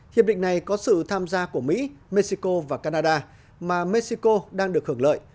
hiệp định này có sự tham gia của mỹ mexico và canada mà mexico đang được hưởng lợi